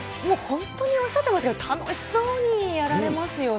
本当に、おっしゃってましたけど、楽しそうにやられますよね。